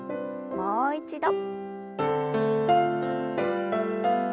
もう一度。